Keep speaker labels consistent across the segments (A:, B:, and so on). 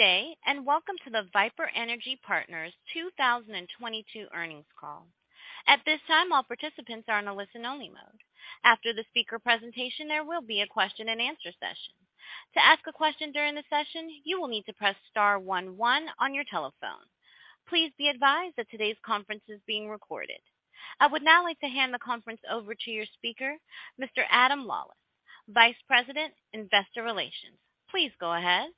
A: Good day, and welcome to the Viper Energy Partners 2022 earnings call. At this time, all participants are in a listen-only mode. After the speaker presentation, there will be a question and answer session. To ask a question during the session, you will need to press star one one on your telephone. Please be advised that today's conference is being recorded. I would now like to hand the conference over to your speaker, Mr. Adam Lawlis, Vice President, Investor Relations. Please go ahead.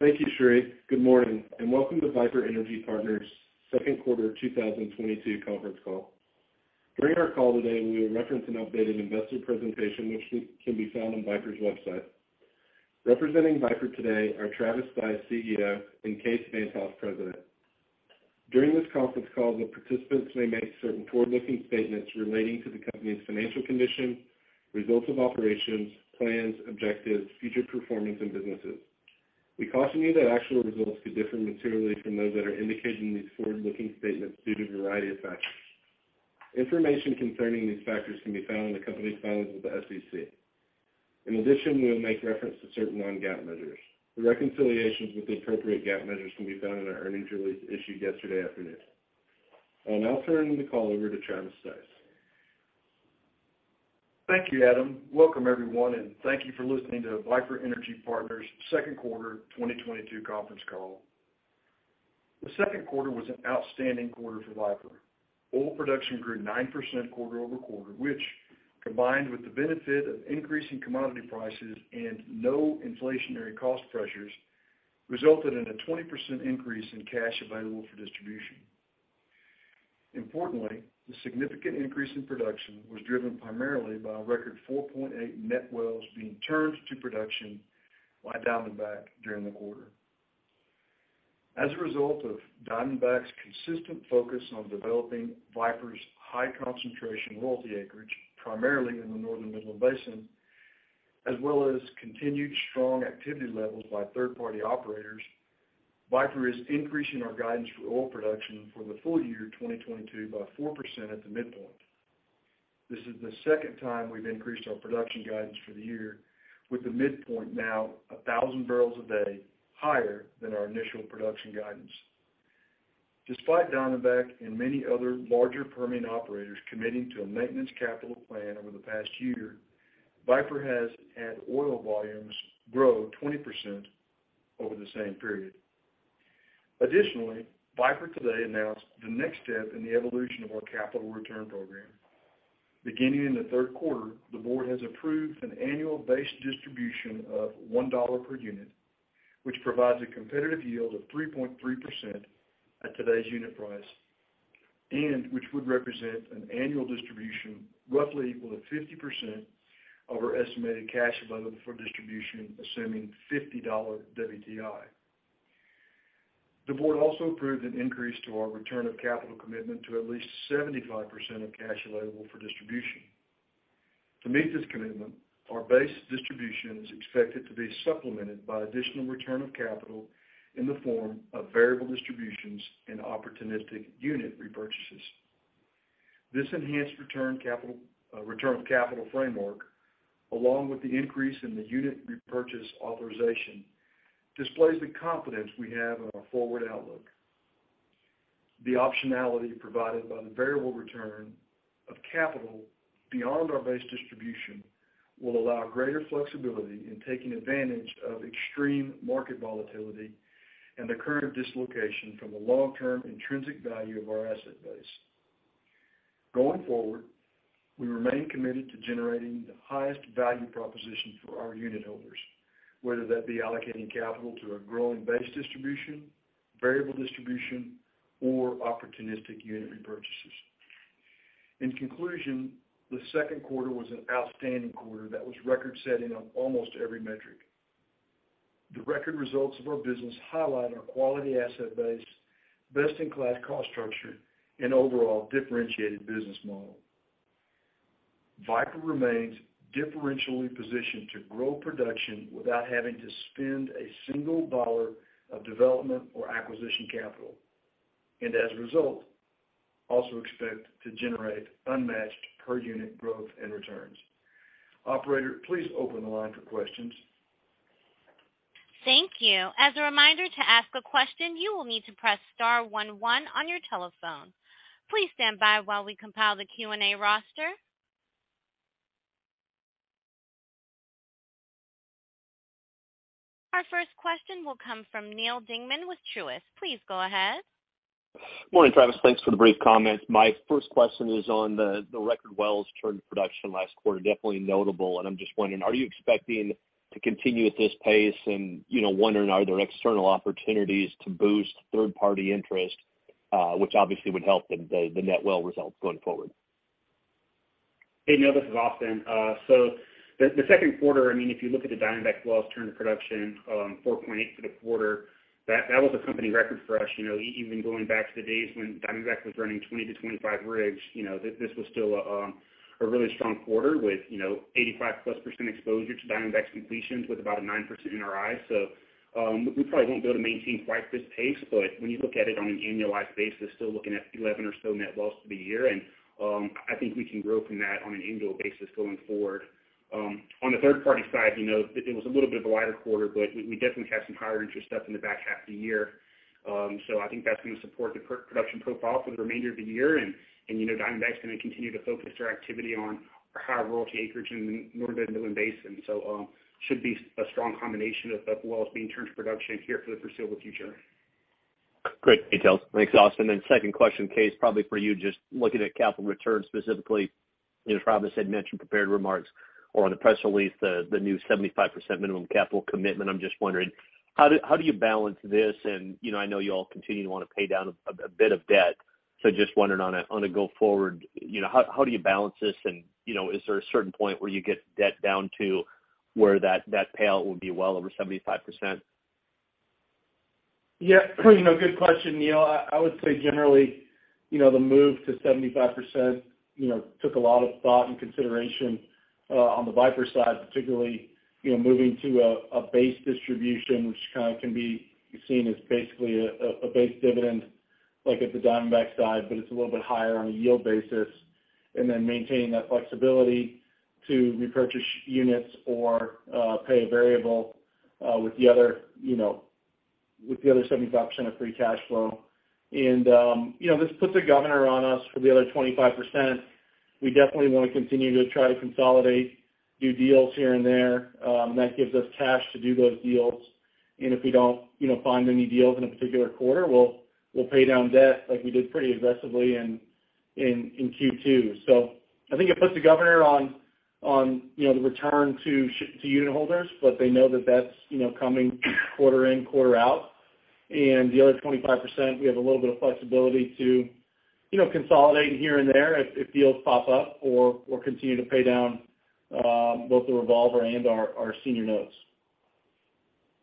B: Thank you, Cherie. Good morning, and welcome to Viper Energy Partners' second quarter 2022 conference call. During our call today, we will reference an updated investor presentation which can be found on Viper's website. Representing Viper today are Travis Stice, CEO, and Kaes Van't Hof, President. During this conference call, the participants may make certain forward-looking statements relating to the company's financial condition, results of operations, plans, objectives, future performance, and businesses. We caution you that actual results could differ materially from those that are indicated in these forward-looking statements due to a variety of factors. Information concerning these factors can be found in the company's filings with the SEC. In addition, we will make reference to certain non-GAAP measures. The reconciliations with the appropriate GAAP measures can be found in our earnings release issued yesterday afternoon. I'll now turn the call over to Travis Stice.
C: Thank you, Adam. Welcome everyone, and thank you for listening to Viper Energy Partners' second quarter 2022 conference call. The second quarter was an outstanding quarter for Viper. Oil production grew 9% quarter-over-quarter, which combined with the benefit of increasing commodity prices and no inflationary cost pressures, resulted in a 20% increase in cash available for distribution. Importantly, the significant increase in production was driven primarily by a record 4.8 net wells being turned to production by Diamondback during the quarter. As a result of Diamondback's consistent focus on developing Viper's high concentration royalty acreage, primarily in the Northern Midland Basin, as well as continued strong activity levels by third-party operators, Viper is increasing our guidance for oil production for the full year 2022 by 4% at the midpoint. This is the second time we've increased our production guidance for the year, with the midpoint now 1,000 barrels a day higher than our initial production guidance. Despite Diamondback and many other larger Permian operators committing to a maintenance capital plan over the past year, Viper has had oil volumes grow 20% over the same period. Additionally, Viper today announced the next step in the evolution of our capital return program. Beginning in the third quarter, the board has approved an annual base distribution of $1 per unit, which provides a competitive yield of 3.3% at today's unit price, and which would represent an annual distribution roughly equal to 50% of our estimated cash available for distribution, assuming $50 WTI. The board also approved an increase to our return of capital commitment to at least 75% of cash available for distribution. To meet this commitment, our base distribution is expected to be supplemented by additional return of capital in the form of variable distributions and opportunistic unit repurchases. This enhanced return capital, return of capital framework, along with the increase in the unit repurchase authorization, displays the confidence we have in our forward outlook. The optionality provided by the variable return of capital beyond our base distribution will allow greater flexibility in taking advantage of extreme market volatility and the current dislocation from the long-term intrinsic value of our asset base. Going forward, we remain committed to generating the highest value proposition for our unit holders, whether that be allocating capital to a growing base distribution, variable distribution, or opportunistic unit repurchases. In conclusion, the second quarter was an outstanding quarter that was record-setting on almost every metric. The record results of our business highlight our quality asset base, best-in-class cost structure, and overall differentiated business model. Viper remains differentially positioned to grow production without having to spend $1 of development or acquisition capital. As a result, also expect to generate unmatched per unit growth and returns. Operator, please open the line for questions.
A: Thank you. As a reminder, to ask a question, you will need to press star one one on your telephone. Please stand by while we compile the Q&A roster. Our first question will come from Neal Dingmann with Truist. Please go ahead.
D: Morning, Travis. Thanks for the brief comments. My first question is on the record wells turned to production last quarter, definitely notable, and I'm just wondering, are you expecting to continue at this pace? You know, wondering, are there external opportunities to boost third-party interest, which obviously would help the net well results going forward?
E: Hey, Neal, this is Austen. The second quarter, I mean, if you look at the Diamondback wells turned to production, 4.8 for the quarter, that was a company record for us. You know, even going back to the days when Diamondback was running 20-25 rigs, you know, this was still a really strong quarter with, you know, 85%+ exposure to Diamondback's completions with about a 9% RI. So, We probably won't be able to maintain quite this pace, but when you look at it on an annualized basis, still looking at 11 or so net wells for the year, and I think we can grow from that on an annual basis going forward. On the third-party side, you know, it was a little bit of a lighter quarter, but we definitely have some higher interest stuff in the back half of the year. I think that's gonna support the production profile for the remainder of the year. You know, Diamondback's gonna continue to focus their activity on our high royalty acreage in the Northern Midland Basin. Should be a strong combination of wells being turned to production here for the foreseeable future.
D: Great details. Thanks, Austin. Second question, Kaes Van't Hof, probably for you just looking at capital returns specifically, you know, as Travis Stice said, mentioned prepared remarks or on the press release the new 75% minimum capital commitment. I'm just wondering how do you balance this? You know, I know you all continue to wanna pay down a bit of debt. Just wondering on a go forward, you know, how do you balance this? You know, is there a certain point where you get debt down to where that payout would be well over 75%?
F: Yeah. You know, good question, Neal. I would say generally, you know, the move to 75%, you know, took a lot of thought and consideration on the Viper side, particularly, you know, moving to a base distribution, which kind of can be seen as basically a base dividend like at the Diamondback side, but it's a little bit higher on a yield basis. This puts a governor on us for the other 25%. We definitely wanna continue to try to consolidate, do deals here and there, that gives us cash to do those deals. If we don't, you know, find many deals in a particular quarter, we'll pay down debt like we did pretty aggressively in Q2. I think it puts the governor on, you know, the return to unit holders, but they know that that's, you know, coming quarter in, quarter out. The other 25%, we have a little bit of flexibility to, you know, consolidate here and there if deals pop up or continue to pay down both the revolver and our senior notes.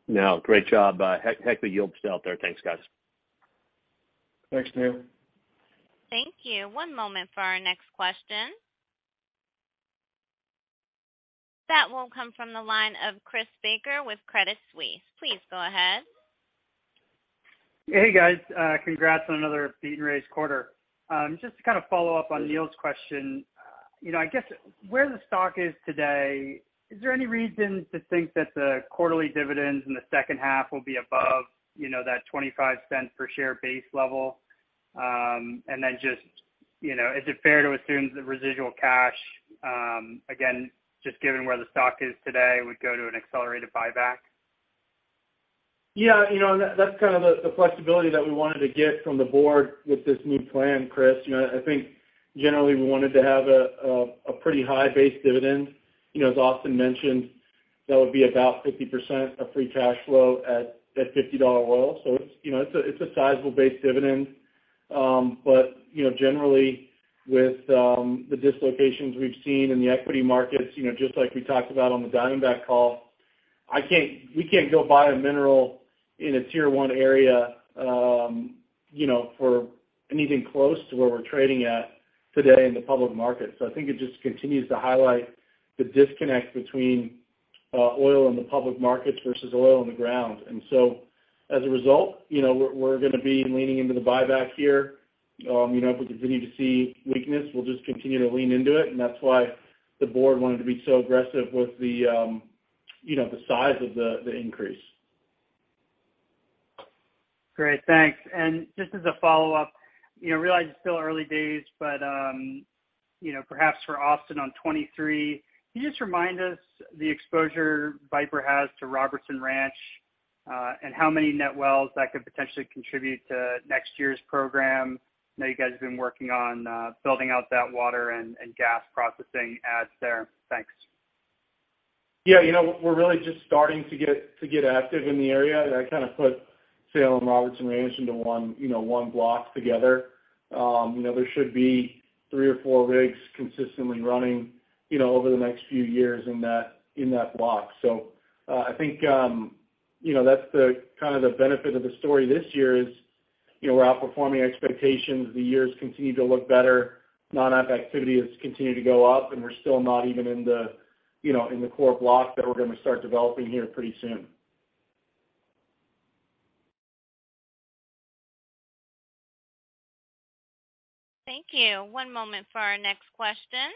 D: No, great job. Heck, the yield's still out there. Thanks, guys.
F: Thanks, Neal.
A: Thank you. One moment for our next question. That will come from the line of Chris Baker with Credit Suisse. Please go ahead.
G: Hey, guys. Congrats on another beat and raise quarter. Just to kind of follow up on Neal's question. You know, I guess where the stock is today, is there any reason to think that the quarterly dividends in the second half will be above, you know, that $0.25 per share base level? And then just, you know, is it fair to assume the residual cash, again, just given where the stock is today, would go to an accelerated buyback?
F: Yeah. You know, that's kind of the flexibility that we wanted to get from the board with this new plan, Chris. You know, I think generally we wanted to have a pretty high base dividend. You know, as Austin mentioned, that would be about 50% of free cash flow at $50 oil. It's a sizable base dividend. But, you know, generally with the dislocations we've seen in the equity markets, you know, just like we talked about on the Diamondback call, we can't go buy a mineral in a Tier 1 area, you know, for anything close to where we're trading at today in the public market. I think it just continues to highlight the disconnect between oil in the public markets versus oil in the ground. As a result, you know, we're gonna be leaning into the buyback here. You know, if we continue to see weakness, we'll just continue to lean into it, and that's why the board wanted to be so aggressive with the, you know, the size of the increase.
G: Great. Thanks. Just as a follow-up, you know, realize it's still early days, but, you know, perhaps for Austin on 2023, can you just remind us the exposure Viper has to Robertson Ranch, and how many net wells that could potentially contribute to next year's program? I know you guys have been working on, building out that water and gas processing adds there. Thanks.
F: Yeah. You know, we're really just starting to get active in the area. I kind of put Sale and Robertson Ranch into one block together. You know, there should be three or four rigs consistently running over the next few years in that block. I think that's the kind of the benefit of the story this year is, you know, we're outperforming expectations. The years continue to look better. Non-op activity has continued to go up, and we're still not even in the core block that we're gonna start developing here pretty soon.
A: Thank you. One moment for our next question.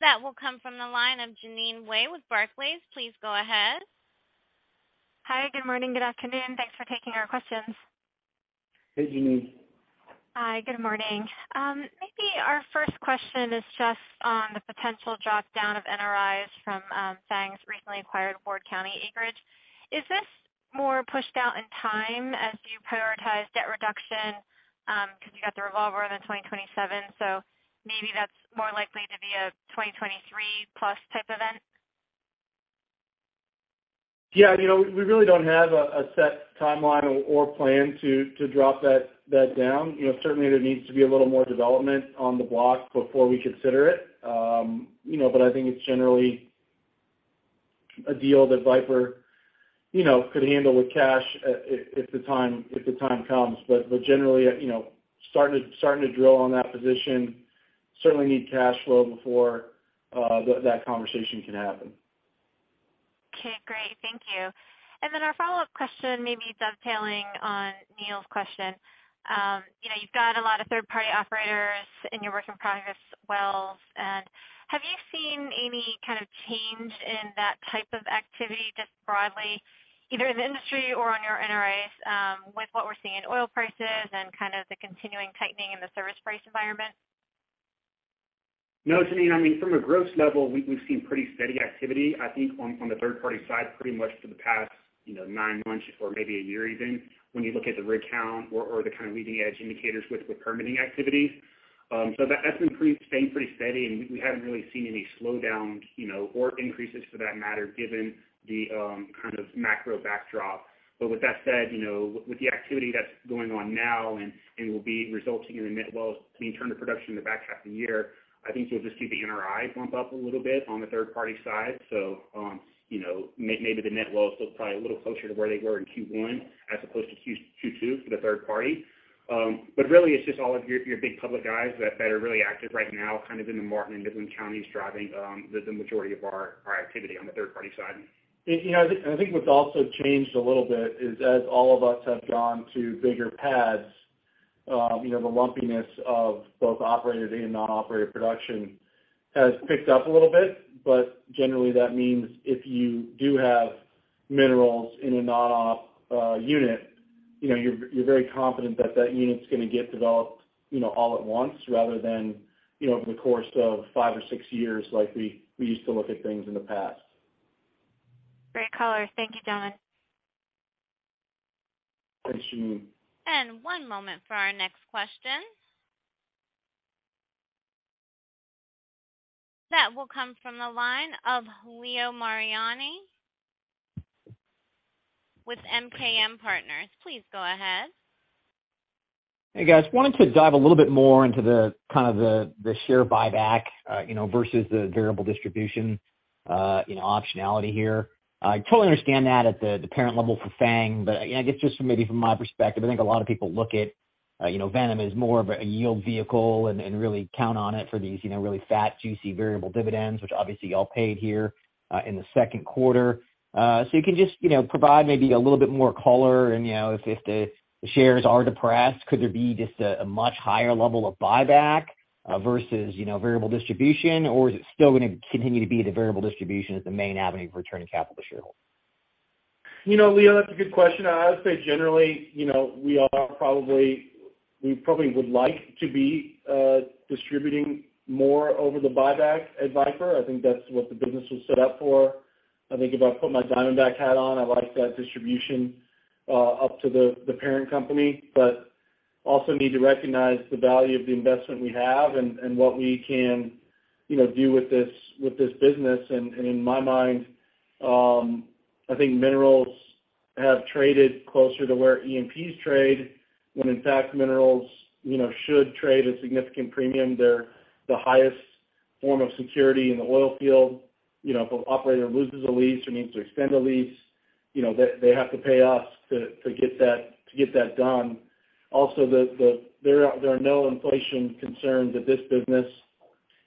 A: That will come from the line of Jeanine Wai with Barclays. Please go ahead.
H: Hi. Good morning. Good afternoon. Thanks for taking our questions.
F: Hey, Jeanine.
H: Hi. Good morning. Maybe our first question is just on the potential drop down of NRIs from FANG's recently acquired Ward County acreage. Is this more pushed out in time as you prioritize debt reduction, 'cause you got the revolver in the 2027? Maybe that's more likely to be a 2023 plus type event.
F: Yeah. You know, we really don't have a set timeline or plan to drop that down. You know, certainly there needs to be a little more development on the block before we consider it. You know, but I think it's generally a deal that Viper could handle with cash if the time comes. Generally, you know, starting to drill on that position certainly need cash flow before that conversation can happen.
H: Okay, great. Thank you. Then our follow-up question may be dovetailing on Neal's question. You know, you've got a lot of third-party operators in your work in progress wells. Have you seen any kind of change in that type of activity just broadly, either in the industry or on your NRIs, with what we're seeing in oil prices and kind of the continuing tightening in the service price environment?
E: No, Jeanine, I mean, from a gross level, we've seen pretty steady activity, I think on the third party side, pretty much for the past, you know, nine months or maybe a year even, when you look at the rig count or the kind of leading edge indicators with the permitting activities. That's been staying pretty steady, and we haven't really seen any slowdown, you know, or increases for that matter, given the kind of macro backdrop. With that said, you know, with the activity that's going on now and will be resulting in net wells being turned to production in the back half of the year, I think you'll just see the NRI bump up a little bit on the third party side. You know, maybe the net wells look probably a little closer to where they were in Q1 as opposed to Q2 for the third party. Really, it's just all of your big public guys that are really active right now, kind of in the Martin and Midland Counties, driving the majority of our activity on the third party side.
F: You know, I think what's also changed a little bit is as all of us have gone to bigger pads, you know, the lumpiness of both operated and non-operated production has picked up a little bit. Generally, that means if you do have minerals in a non-op unit, you know, you're very confident that that unit's gonna get developed, you know, all at once, rather than, you know, over the course of five or six years like we used to look at things in the past.
H: Great color. Thank you, Kaes Van't Hof.
F: Thanks, Jeanine.
A: One moment for our next question. That will come from the line of Leo Mariani with MKM Partners. Please go ahead.
I: Hey, guys. Wanted to dive a little bit more into the share buyback, you know, versus the variable distribution, you know, optionality here. I totally understand that at the parent level for FANG, but, you know, I guess just from my perspective, I think a lot of people look at, you know, Viper as more of a yield vehicle and really count on it for these, you know, really fat, juicy, variable dividends, which obviously y'all paid here in the second quarter. You can just, you know, provide maybe a little bit more color and, you know, if the shares are depressed, could there be just a much higher level of buyback, versus, you know, variable distribution, or is it still gonna continue to be the variable distribution as the main avenue of returning capital to shareholders?
F: You know, Leo, that's a good question. I would say generally, you know, we probably would like to be distributing more over the buyback at Viper. I think that's what the business was set up for. I think if I put my Diamondback hat on, I like that distribution up to the parent company, but also need to recognize the value of the investment we have and what we can, you know, do with this business. In my mind, I think minerals have traded closer to where E&Ps trade, when in fact, minerals, you know, should trade a significant premium. They're the highest form of security in the oil field. You know, if an operator loses a lease or needs to extend a lease, you know, they have to pay us to get that done. Also, there are no inflation concerns with this business.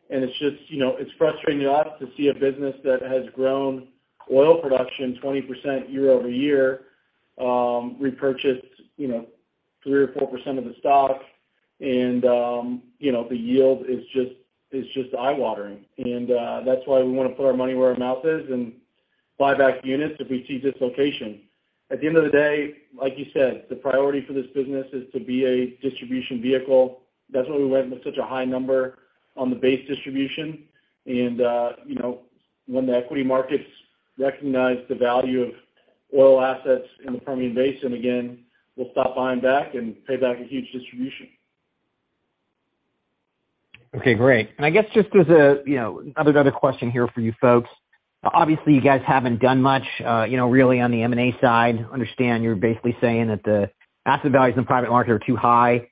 F: It's just, you know, it's frustrating to us to see a business that has grown oil production 20% year-over-year, repurchase, you know, 3% or 4% of the stock. You know, the yield is just eye-watering. That's why we wanna put our money where our mouth is and buy back units if we see dislocation. At the end of the day, like you said, the priority for this business is to be a distribution vehicle. That's why we went with such a high number on the base distribution. You know, when the equity markets recognize the value of oil assets in the Permian Basin, again, we'll stop buying back and pay back a huge distribution.
I: Okay, great. I guess just as a, you know, another question here for you folks. Obviously, you guys haven't done much, you know, really on the M&A side. Understand you're basically saying that the asset values in the private market are too high.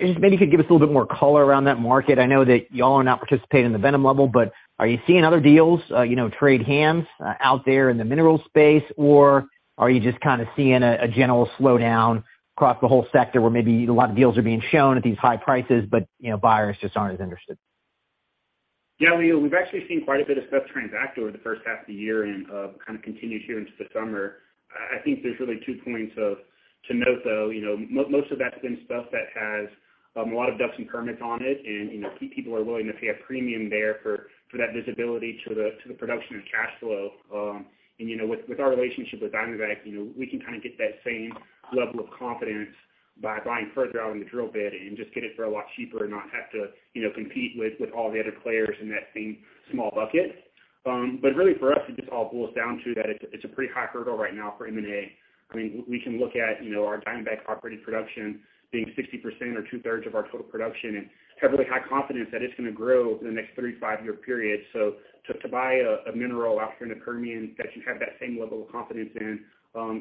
I: Just maybe you could give us a little bit more color around that market. I know that y'all are not participating in the Viper level, but are you seeing other deals, you know, trade hands, out there in the minerals space? Or are you just kind of seeing a general slowdown across the whole sector where maybe a lot of deals are being shown at these high prices, but, you know, buyers just aren't as interested?
E: Yeah, we've actually seen quite a bit of stuff transact over the first half of the year and kind of continue here into the summer. I think there's really two points to note, though. You know, most of that's been stuff that has a lot of DUCs and permits on it. You know, people are willing to pay a premium there for that visibility to the production of cash flow. You know, with our relationship with Diamondback, you know, we can kind of get that same level of confidence by buying further out in the drill bit and just get it for a lot cheaper and not have to, you know, compete with all the other players in that same small bucket. Really for us, it just all boils down to that it's a pretty high hurdle right now for M&A. I mean, we can look at, you know, our Diamondback operating production being 60% or two-thirds of our total production and have really high confidence that it's gonna grow over the next 35-year period. To buy a mineral out here in the Permian that you have that same level of confidence in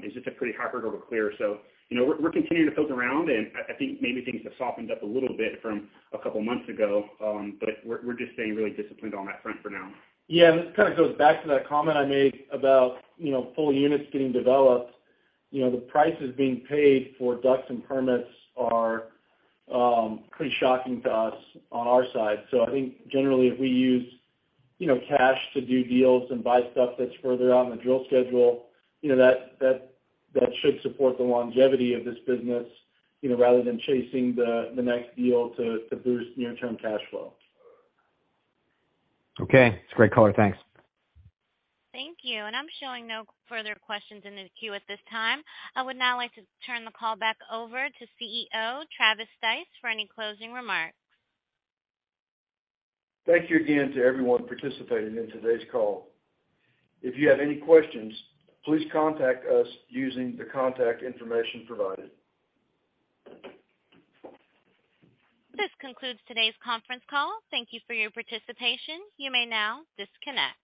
E: is just a pretty high hurdle to clear. You know, we're continuing to poke around, and I think maybe things have softened up a little bit from a couple months ago. We're just staying really disciplined on that front for now.
F: Yeah, this kind of goes back to that comment I made about, you know, full units getting developed. You know, the prices being paid for DUCs and permits are pretty shocking to us on our side. I think generally if we use, you know, cash to do deals and buy stuff that's further out in the drill schedule, you know, that should support the longevity of this business, you know, rather than chasing the next deal to boost near term cash flow.
I: Okay. It's a great color. Thanks.
A: Thank you. I'm showing no further questions in the queue at this time. I would now like to turn the call back over to CEO, Travis Stice, for any closing remarks.
C: Thank you again to everyone participating in today's call. If you have any questions, please contact us using the contact information provided.
A: This concludes today's conference call. Thank you for your participation. You may now disconnect.